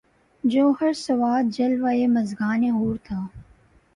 جوہر سواد جلوۂ مژگان حور تھا